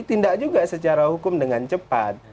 tindak juga secara hukum dengan cepat